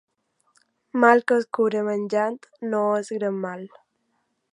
Mal que es cura menjant no és gran mal.